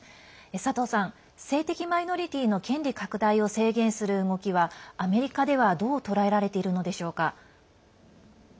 佐藤さん、性的マイノリティーの権利拡大を制限する動きはアメリカではどう捉えられているのでしょうか。